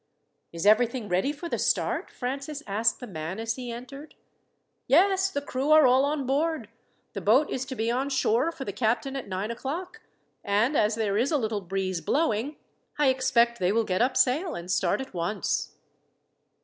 "Is everything ready for the start?" Francis asked the man as he entered. "Yes, the crew are all on board. The boat is to be on shore for the captain at nine o'clock, and as there is a little breeze blowing, I expect they will get up sail and start at once."